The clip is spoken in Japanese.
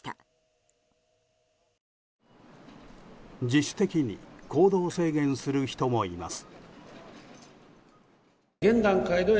自主的に行動制限する人もいます。